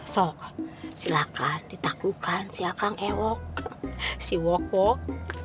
silahkan ditaklukan siakang ewok si wok wok